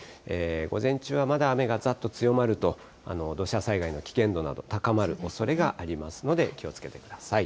午前中はまだ雨がざっと強まると、土砂災害の危険度など高まるおそれがありますので気をつけてください。